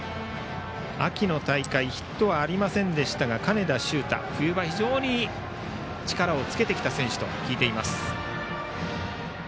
秋の大会ヒットはありませんでしたが金田珠太、冬場、非常に力をつけてきた選手を聞いています。